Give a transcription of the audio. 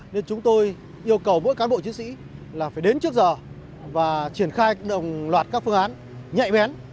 nên chúng tôi yêu cầu mỗi cán bộ chiến sĩ là phải đến trước giờ và triển khai đồng loạt các phương án nhạy bén